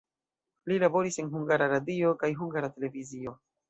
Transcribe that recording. Li laboris en Hungara Radio kaj Hungara Televizio.